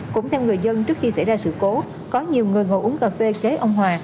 cũng theo người dân trước khi xảy ra sự cố có nhiều người ngồi uống cà phê kế ông hòa